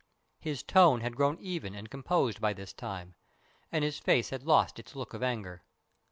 His tone had grown even and composed by this time, and his face had lost its look of anger.